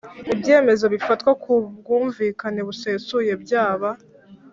Ibyemezo bifatwa ku bwumvikane busesuye byaba